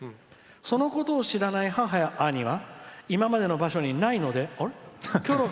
そのことを知らない母や兄は今までの場所にないのであれ？